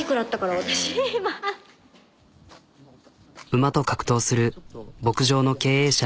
馬と格闘する牧場の経営者。